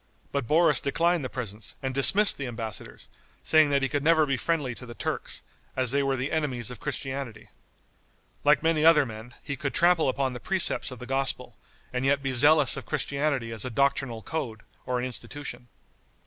But Boris declined the presents and dismissed the embassadors, saying that he could never be friendly to the Turks, as they were the enemies of Christianity. Like many other men, he could trample upon the precepts of the gospel, and yet be zealous of Christianity as a doctrinal code or an institution.